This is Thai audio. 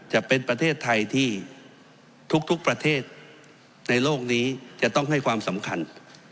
จะเป็นประเทศไทยที่ทุกประเทศในโลกนี้จะต้องให้ความสำคัญ